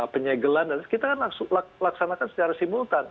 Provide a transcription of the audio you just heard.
penyegelan kita laksanakan secara simultan